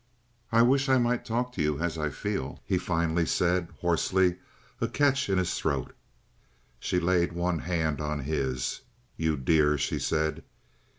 "I wish I might talk to you as I feel," he finally said, hoarsely, a catch in his throat. She laid one hand on his. "You dear!" she said.